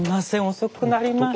遅くなりました。